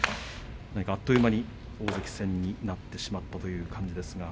あっという間に大関戦になってしまったという感じですが。